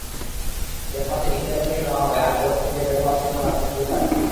ক্যাম্পাসে ইন্টারভিউ নেওয়া হবে আর কলেজ থেকে বের হওয়ার সময় হাতে থাকবে চাকরি।